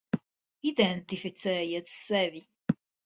Identificējiet sevi.